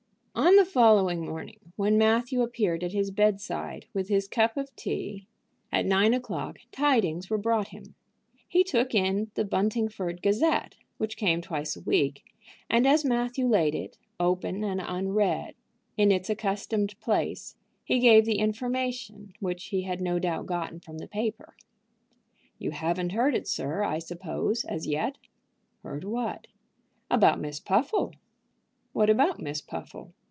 On the following morning, when Matthew appeared at his bedside with his cup of tea at nine o'clock, tidings were brought him. He took in the Buntingford Gazette, which came twice a week, and as Matthew laid it, opened and unread, in its accustomed place, he gave the information, which he had no doubt gotten from the paper. "You haven't heard it, sir, I suppose, as yet?" "Heard what?" "About Miss Puffle." "What about Miss Puffle?